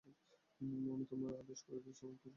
আমি তোমায় আদেশ করিতেছি, কোন কিছু দেখিও না বা বলিও না।